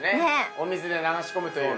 お水で流し込むという。